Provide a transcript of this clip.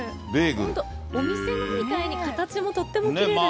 本当、お店のみたいに形もとってもきれいですね。